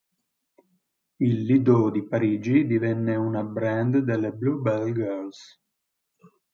Il Lido di Parigi divenne una "brand" delle Bluebell Girls.